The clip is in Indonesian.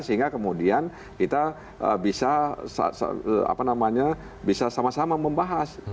karena kemudian kita bisa apa namanya bisa sama sama membahas